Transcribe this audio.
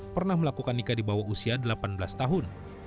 pernah melakukan nikah di bawah usia delapan belas tahun